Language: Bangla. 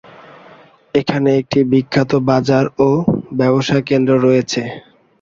এখানে একটি বিখ্যাত বাজার ও ব্যবসাকেন্দ্র রয়েছে।